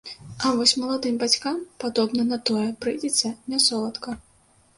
А вось маладым бацькам, падобна на тое, прыйдзецца нясоладка.